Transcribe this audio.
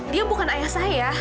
dia bukan ayah saya